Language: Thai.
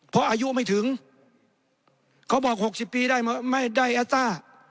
เพราะอายุไม่ถึงเขาบอก๖๐ปีได้ไม่ได้แอสต้า